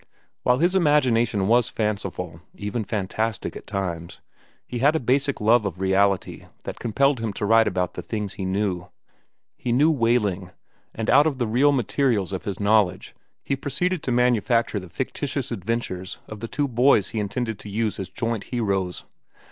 While his imagination was fanciful, even fantastic at times, he had a basic love of reality that compelled him to write about the things he knew. He knew whaling, and out of the real materials of his knowledge he proceeded to manufacture the fictitious adventures of the two boys he intended to use as joint heroes.